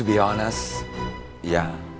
beneran gak kan